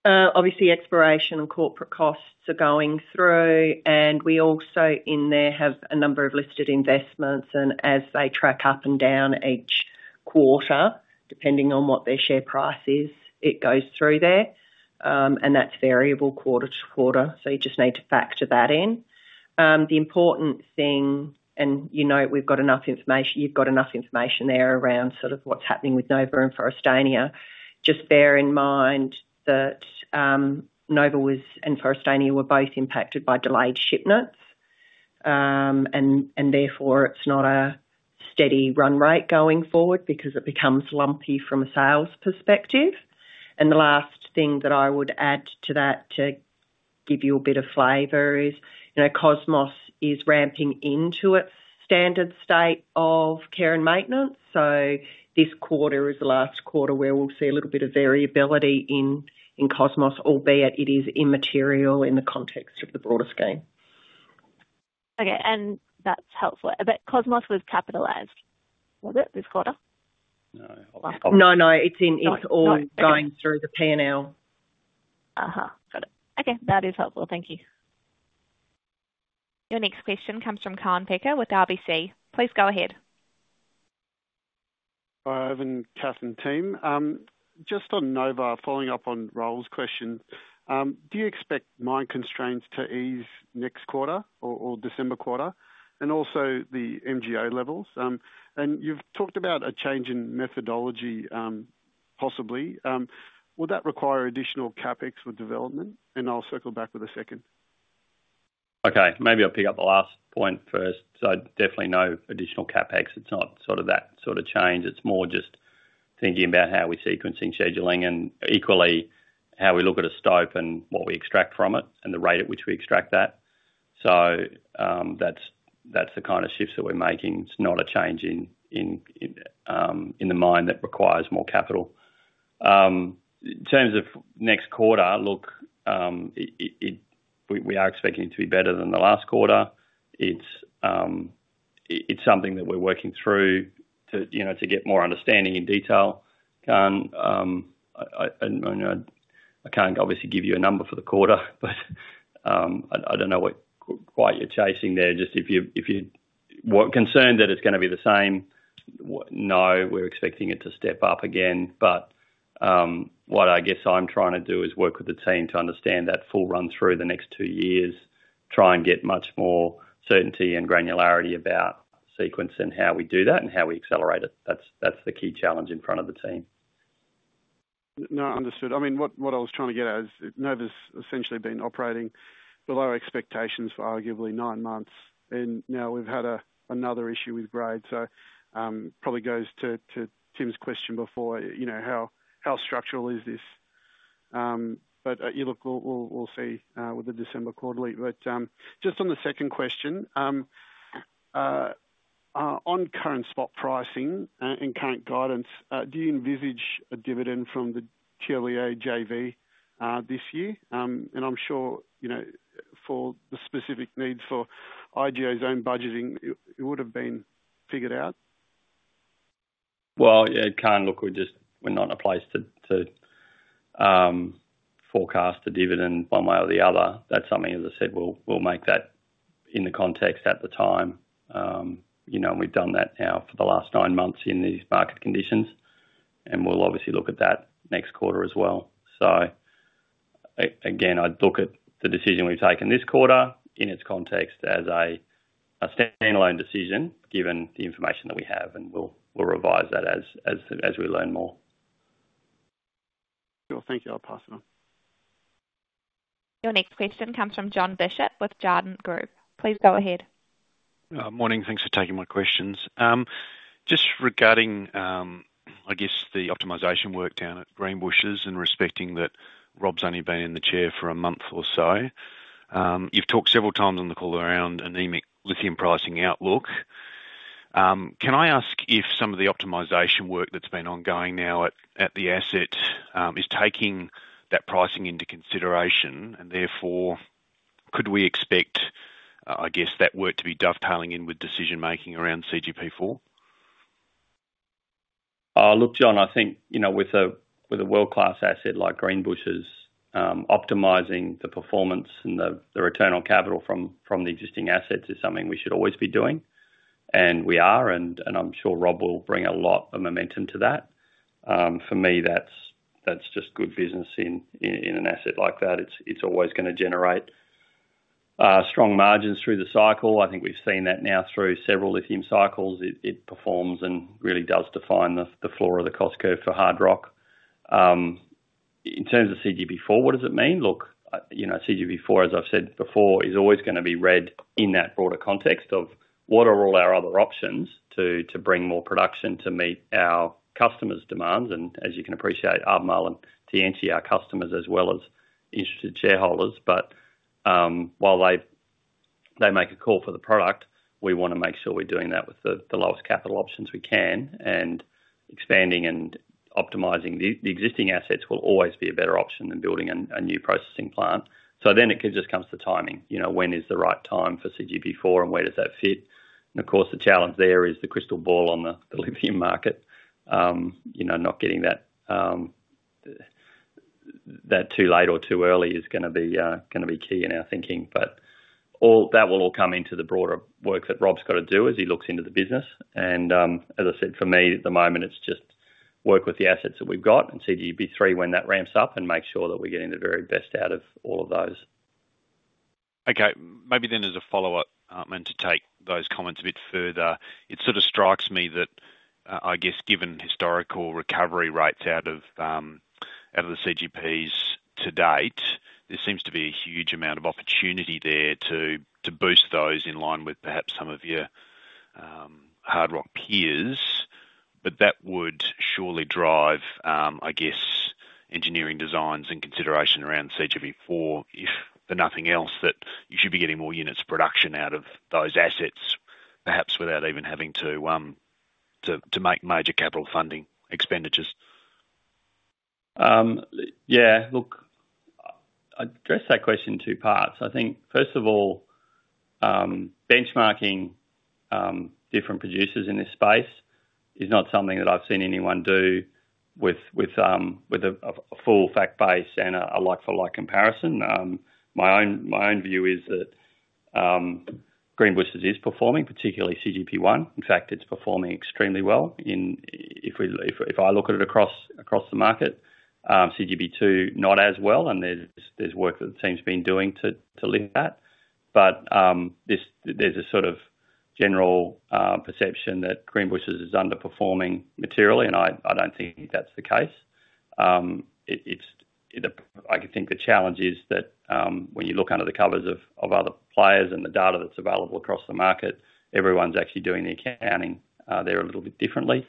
Obviously, exploration and corporate costs are going through, and we also in there have a number of listed investments, and as they track up and down each quarter, depending on what their share price is, it goes through there. And that's variable quarter to quarter, so you just need to factor that in. The important thing, and you know, we've got enough information, you've got enough information there around sort of what's happening with Nova and Forrestania. Just bear in mind that Nova was, and Forrestania were both impacted by delayed shipments. And therefore, it's not a steady run rate going forward because it becomes lumpy from a sales perspective. The last thing that I would add to that to give you a bit of flavor is, you know, Cosmos is ramping into its standard state of care and maintenance, so this quarter is the last quarter where we'll see a little bit of variability in Cosmos, albeit it is immaterial in the context of the broader scheme. Okay, and that's helpful. But Cosmos was capitalized, was it, this quarter? No. No, no, it's in- No. It's all going through the P&L. Uh-huh. Got it. Okay, that is helpful. Thank you. Your next question comes from Kaan Peker with RBC. Please go ahead. Hi, Ivan, Kath, and team. Just on Nova, following up on Rahul's question, do you expect mine constraints to ease next quarter or December quarter, and also the MgO levels? And you've talked about a change in methodology, possibly. Would that require additional CapEx for development? And I'll circle back with a second. Okay, maybe I'll pick up the last point first. So definitely no additional CapEx. It's not sort of that sort of change. It's more just thinking about how we're sequencing, scheduling, and equally, how we look at a stope and what we extract from it and the rate at which we extract that. So, that's the kind of shifts that we're making. It's not a change in the mine that requires more capital. In terms of next quarter, look, we are expecting it to be better than the last quarter. It's something that we're working through to, you know, to get more understanding in detail. And, you know, I can't obviously give you a number for the quarter, but, I don't know what you're chasing there. Just if you weren't concerned that it's gonna be the same, no, we're expecting it to step up again. But, what I guess I'm trying to do is work with the team to understand that full run through the next two years, try and get much more certainty and granularity about sequence and how we do that and how we accelerate it. That's the key challenge in front of the team. No, understood. I mean, what I was trying to get at is Nova's essentially been operating below expectations for arguably nine months, and now we've had another issue with grade. So, probably goes to Tim's question before, you know, how structural is this? But, yeah, look, we'll see with the December quarterly. But, just on the second question, on current spot pricing and current guidance, do you envisage a dividend from the Chile JV this year? And I'm sure, you know, for the specific needs for IGO's own budgeting, it would've been figured out. Yeah, Kaan, look, we're just, we're not in a place to forecast a dividend one way or the other. That's something, as I said, we'll make that in the context at the time. You know, and we've done that now for the last nine months in these market conditions, and we'll obviously look at that next quarter as well. Again, I'd look at the decision we've taken this quarter in its context as a standalone decision, given the information that we have, and we'll revise that as we learn more. Cool. Thank you. I'll pass it on. Your next question comes from Jon Bishop with Jarden Group. Please go ahead. Morning. Thanks for taking my questions. Just regarding, I guess, the optimization work down at Greenbushes and respecting that Rob's only been in the chair for a month or so. You've talked several times on the call around anemic lithium pricing outlook. Can I ask if some of the optimization work that's been ongoing now at the asset is taking that pricing into consideration, and therefore, could we expect, I guess, that work to be dovetailing in with decision-making around CGP4? Look, Jon, I think, you know, with a world-class asset like Greenbushes, optimizing the performance and the return on capital from the existing assets is something we should always be doing, and we are, and I'm sure Rob will bring a lot of momentum to that. For me, that's just good business in an asset like that. It's always gonna generate strong margins through the cycle. I think we've seen that now through several lithium cycles. It performs and really does define the floor of the cost curve for hard rock. In terms of CGP4, what does it mean? Look, you know, CGP4, as I've said before, is always gonna be read in that broader context of: What are all our other options to bring more production to meet our customers' demands? As you can appreciate, Albemarle and Tianqi, our customers, as well as interested shareholders. While they make a call for the product, we wanna make sure we're doing that with the lowest capital options we can, and expanding and optimizing the existing assets will always be a better option than building a new processing plant. Then it just comes to timing. You know, when is the right time for CGP4 and where does that fit? And of course, the challenge there is the crystal ball on the lithium market. You know, not getting that too late or too early is gonna be key in our thinking. But all that will all come into the broader work that Rob's gotta do as he looks into the business, and as I said, for me, at the moment, it's just work with the assets that we've got and CGP3 when that ramps up, and make sure that we're getting the very best out of all of those. Okay. Maybe then as a follow-up, and to take those comments a bit further. It sort of strikes me that, I guess, given historical recovery rates out of the CGPs to date, there seems to be a huge amount of opportunity there to boost those in line with perhaps some of your hard rock peers. But that would surely drive, I guess, engineering designs and consideration around CGP4, if for nothing else, that you should be getting more units of production out of those assets, perhaps without even having to make major capital funding expenditures. Yeah. Look, I'd address that question in two parts. I think, first of all, benchmarking different producers in this space is not something that I've seen anyone do with a full fact base and a like-for-like comparison. My own view is that Greenbushes is performing, particularly CGP1. In fact, it's performing extremely well in... If I look at it across the market, CGP2 not as well, and there's work that the team's been doing to lift that. But this, there's a sort of general perception that Greenbushes is underperforming materially, and I don't think that's the case. It, it's-... I think the challenge is that when you look under the covers of other players and the data that's available across the market, everyone's actually doing the accounting there a little bit differently.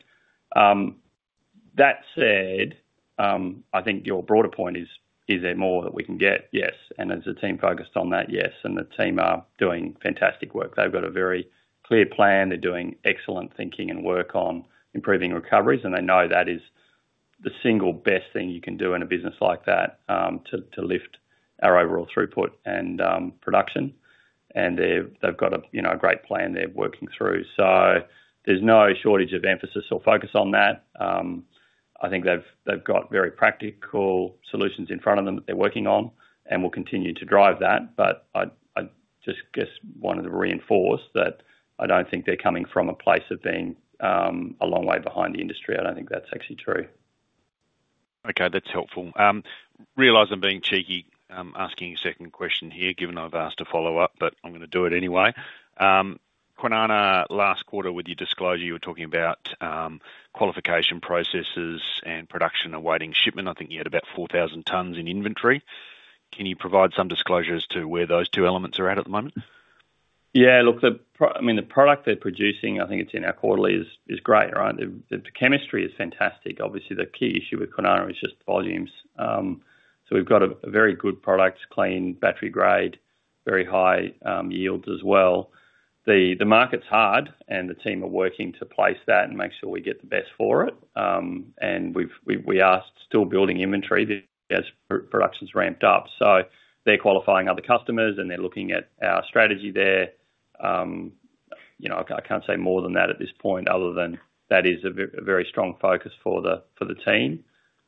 That said, I think your broader point is, is there more that we can get? Yes, and is the team focused on that? Yes, and the team are doing fantastic work. They've got a very clear plan. They're doing excellent thinking and work on improving recoveries, and they know that is the single best thing you can do in a business like that to lift our overall throughput and production, and they've got a you know a great plan they're working through, so there's no shortage of emphasis or focus on that. I think they've got very practical solutions in front of them that they're working on and will continue to drive that, but I just guess wanted to reinforce that I don't think they're coming from a place of being a long way behind the industry. I don't think that's actually true. Okay, that's helpful. Realize I'm being cheeky, asking a second question here, given I've asked a follow-up, but I'm gonna do it anyway. Kwinana, last quarter, with your disclosure, you were talking about qualification processes and production awaiting shipment. I think you had about four thousand tons in inventory. Can you provide some disclosure as to where those two elements are at the moment? Yeah, look, I mean, the product they're producing, I think it's in our quarterly, is great, right? The chemistry is fantastic. Obviously, the key issue with Kwinana is just volumes. So we've got a very good product, clean battery grade, very high yields as well. The market's hard, and the team are working to place that and make sure we get the best for it. And we are still building inventory as production's ramped up. So they're qualifying other customers, and they're looking at our strategy there. You know, I can't say more than that at this point, other than that is a very strong focus for the team,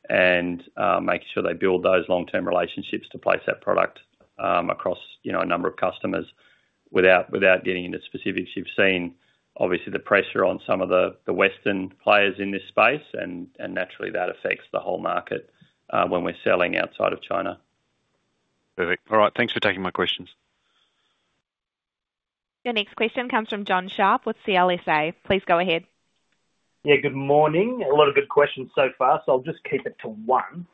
and making sure they build those long-term relationships to place that product, across, you know, a number of customers. Without getting into specifics, you've seen obviously the pressure on some of the Western players in this space, and naturally, that affects the whole market, when we're selling outside of China. Perfect. All right. Thanks for taking my questions. Your next question comes from Jon Sharp with CLSA. Please go ahead. Yeah, good morning. A lot of good questions so far, so I'll just keep it to one.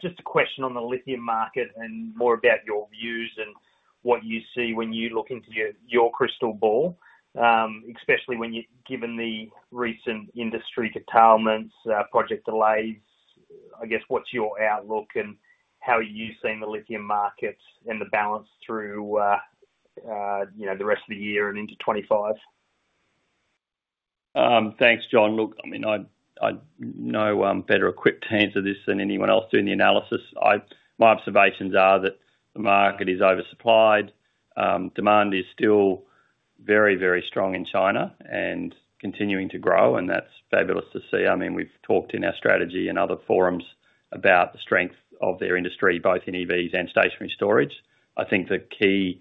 Just a question on the lithium market and more about your views and what you see when you look into your crystal ball. Especially, given the recent industry curtailments, project delays, I guess, what's your outlook and how are you seeing the lithium market and the balance through, you know, the rest of the year and into twenty-five? Thanks, Jon. Look, I mean, I'm no better equipped to answer this than anyone else doing the analysis. My observations are that the market is oversupplied. Demand is still very, very strong in China and continuing to grow, and that's fabulous to see. I mean, we've talked in our strategy and other forums about the strength of their industry, both in EVs and stationary storage. I think the key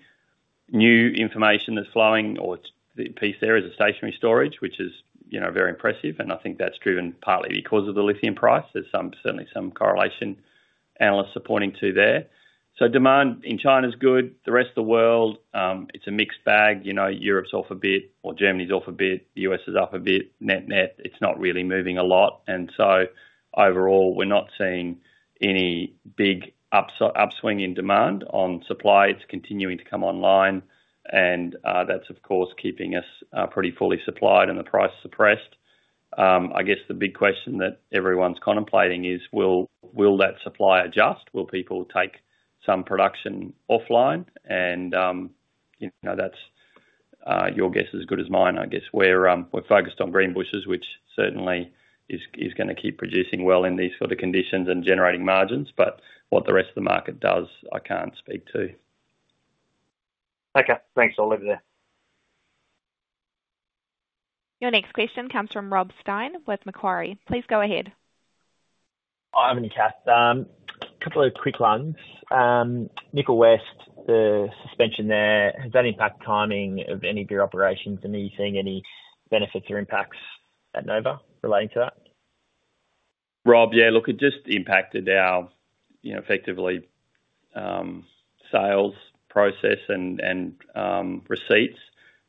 new information that's flowing or the piece there is stationary storage, which is, you know, very impressive, and I think that's driven partly because of the lithium price. There's certainly some correlation analysts are pointing to there. So demand in China is good. The rest of the world, it's a mixed bag. You know, Europe's off a bit, or Germany's off a bit, the U.S. is up a bit. Net-net, it's not really moving a lot, and so overall, we're not seeing any big upswing in demand on supply. It's continuing to come online, and that's, of course, keeping us pretty fully supplied and the price suppressed. I guess the big question that everyone's contemplating is: Will that supply adjust? Will people take some production offline? And you know, that's your guess as good as mine. I guess we're focused on Greenbushes, which certainly is gonna keep producing well in these sort of conditions and generating margins. But what the rest of the market does, I can't speak to. Okay. Thanks. I'll leave it there. Your next question comes from Rob Stein with Macquarie. Please go ahead. A couple of quick ones. Nickel West, the suspension there, has that impacted timing of any of your operations? And are you seeing any benefits or impacts at Nova relating to that? Rob, yeah, look, it just impacted our, you know, effectively, sales process and receipts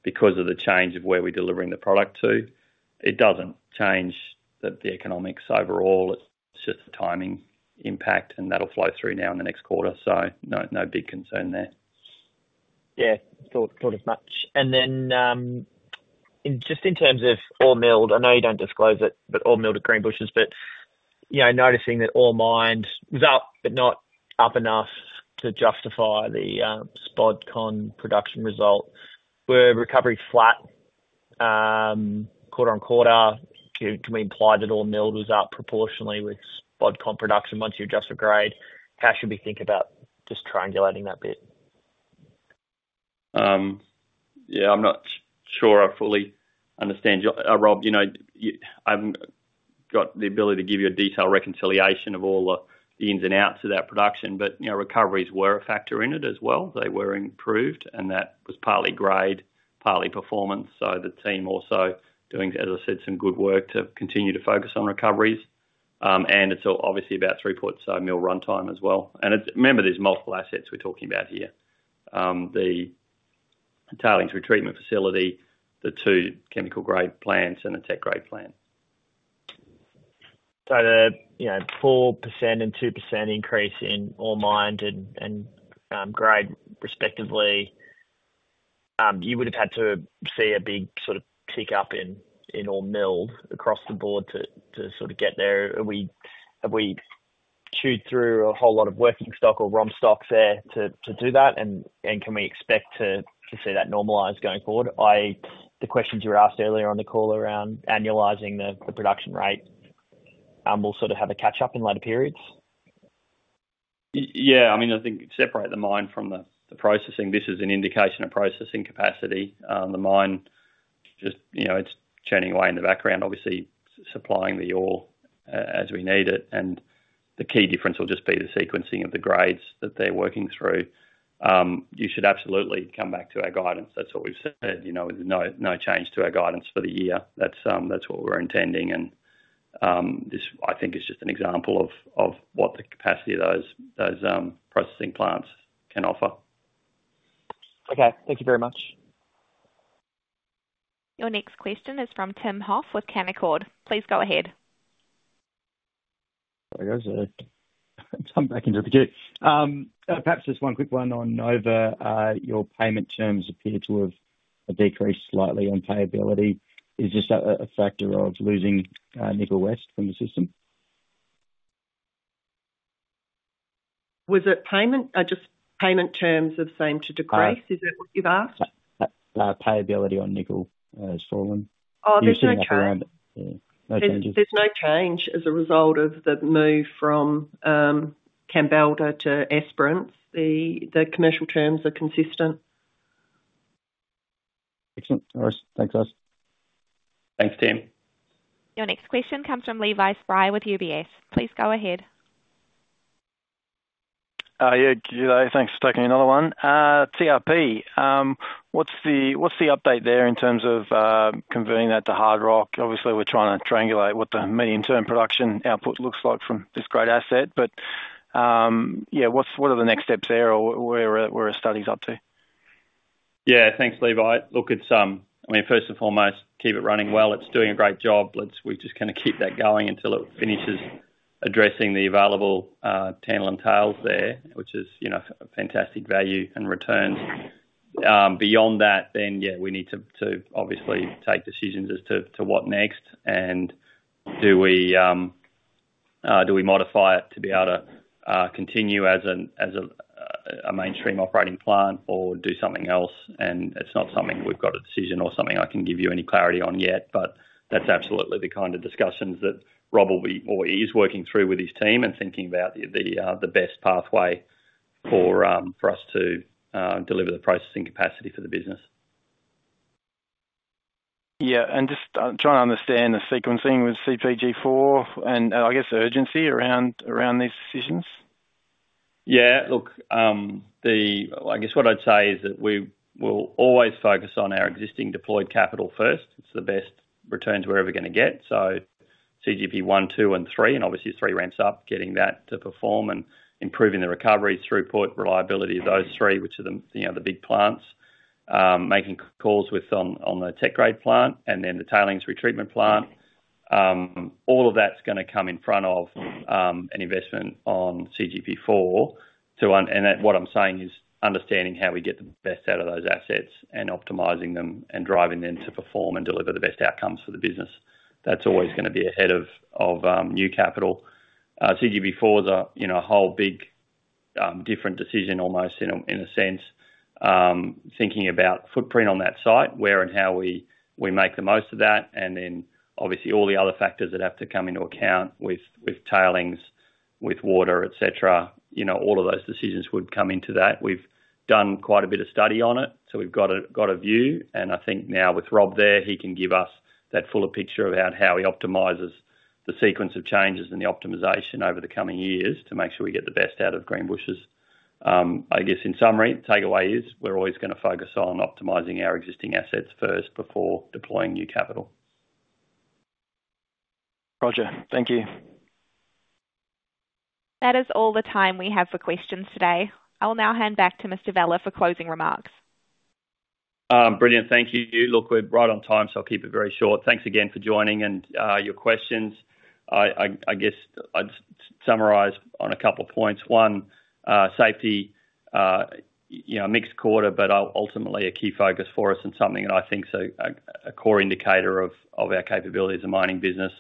because of the change of where we're delivering the product to. It doesn't change the economics overall. It's just the timing impact, and that'll flow through now in the next quarter, so no, no big concern there. Yeah, thought as much. And then, just in terms of ore milled, I know you don't disclose it, but ore milled at Greenbushes, but, you know, noticing that ore mined was up, but not up enough to justify the spodumene production result. Were recovery flat quarter-on-quarter? Do, can we imply that ore milled was up proportionally with spodumene production once you adjust for grade? How should we think about just triangulating that bit? Yeah, I'm not sure I fully understand your... Rob, you know, you. I haven't got the ability to give you a detailed reconciliation of all the ins and outs of that production, but, you know, recoveries were a factor in it as well. They were improved, and that was partly grade, partly performance, so the team also doing, as I said, some good work to continue to focus on recoveries. And it's obviously about throughput, mill runtime as well. It's remember, there's multiple assets we're talking about here. A tailings retreatment facility, the two chemical grade plants, and the tech grade plant. So the, you know, 4% and 2% increase in ore mined and grade respectively, you would've had to see a big sort of tick up in ore milled across the board to sort of get there. Have we chewed through a whole lot of working stock or ROM stock there to do that? And can we expect to see that normalize going forward? The questions you were asked earlier on the call around annualizing the production rate will sort of have a catch-up in later periods. Yeah, I mean, I think separate the mine from the processing. This is an indication of processing capacity. The mine just, you know, it's churning away in the background, obviously supplying the ore as we need it, and the key difference will just be the sequencing of the grades that they're working through. You should absolutely come back to our guidance. That's what we've said, you know, no change to our guidance for the year. That's what we're intending, and this, I think, is just an example of what the capacity of those processing plants can offer. Okay. Thank you very much. Your next question is from Tim Hoff with Canaccord. Please go ahead. There goes. I'm back into it too. Perhaps just one quick one on Nova. Your payment terms appear to have decreased slightly on payability. Is this a factor of losing Nickel West from the system? Was it payment? Just payment terms have seemed to decrease. Is that what you've asked? Payability on nickel has fallen. Oh, there's no change. No changes? There's no change as a result of the move from Kambalda to Esperance. The commercial terms are consistent. Excellent. All right. Thanks, guys. Thanks, Tim. Your next question comes from Levi Spry with UBS. Please go ahead. Yeah, g'day. Thanks for taking another one. TRP, what's the update there in terms of converting that to hard rock? Obviously, we're trying to triangulate what the medium-term production output looks like from this great asset, but yeah, what are the next steps there, or where are studies up to? Yeah, thanks, Levi. Look, it's... I mean, first and foremost, keep it running well. It's doing a great job. We just kinda keep that going until it finishes addressing the available tantalum tails there, which is, you know, a fantastic value and returns. Beyond that, then, yeah, we need to obviously take decisions as to what next, and do we modify it to be able to continue as a mainstream operating plant or do something else? And it's not something we've got a decision or something I can give you any clarity on yet, but that's absolutely the kind of discussions that Rob will be, or he is working through with his team and thinking about the best pathway for us to deliver the processing capacity for the business. Yeah, and just, I'm trying to understand the sequencing with CGP4 and I guess urgency around these decisions. Yeah, look, I guess what I'd say is that we will always focus on our existing deployed capital first. It's the best returns we're ever gonna get. So CGP1, two, and three, and obviously three ramps up, getting that to perform and improving the recovery throughput, reliability of those three, which are the, you know, the big plants. Making calls on the tech grade plant and then the tailings retreatment plant. All of that's gonna come in front of an investment on CGP4. What I'm saying is understanding how we get the best out of those assets and optimizing them and driving them to perform and deliver the best outcomes for the business. That's always gonna be ahead of new capital. CGP4 is a, you know, a whole big, different decision, almost in a, in a sense. Thinking about footprint on that site, where and how we, we make the most of that, and then obviously all the other factors that have to come into account with, with tailings, with water, et cetera. You know, all of those decisions would come into that. We've done quite a bit of study on it, so we've got a view, and I think now with Rob there, he can give us that fuller picture about how he optimizes the sequence of changes and the optimization over the coming years to make sure we get the best out of Greenbushes. I guess in summary, takeaway is, we're always gonna focus on optimizing our existing assets first before deploying new capital. Roger. Thank you. That is all the time we have for questions today. I will now hand back to Mr. Vella for closing remarks. Brilliant. Thank you. Look, we're right on time, so I'll keep it very short. Thanks again for joining and your questions. I guess I'd summarize on a couple of points. One, safety, you know, a mixed quarter, but ultimately a key focus for us and something that I think is a core indicator of our capability as a mining business.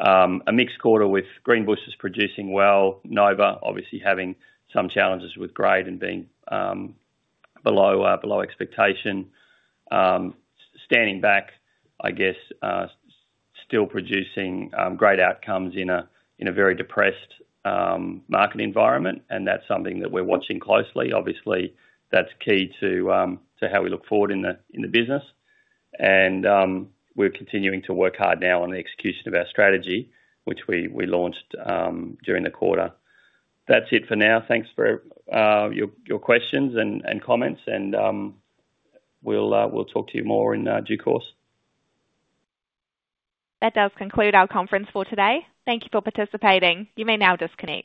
A mixed quarter with Greenbushes producing well, Nova obviously having some challenges with grade and being below expectation. Standing back, I guess, still producing great outcomes in a very depressed market environment, and that's something that we're watching closely. Obviously, that's key to how we look forward in the business. And, we're continuing to work hard now on the execution of our strategy, which we launched during the quarter. That's it for now. Thanks for your questions and comments, and we'll talk to you more in due course. That does conclude our conference for today. Thank you for participating. You may now disconnect.